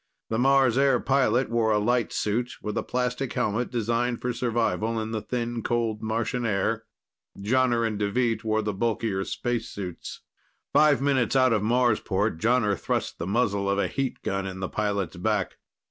The Mars Air pilot wore a light suit with plastic helmet designed for survival in the thin, cold Martian air. Jonner and Deveet wore the bulkier spacesuits. Five minutes out of Marsport, Jonner thrust the muzzle of a heat gun in the pilot's back.